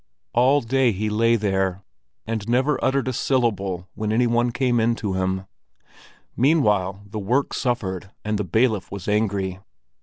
All day he lay there and never uttered a syllable when any one came in to him. Meanwhile the work suffered, and the bailiff was angry.